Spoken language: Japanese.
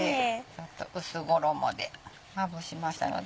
薄衣でまぶしましたので。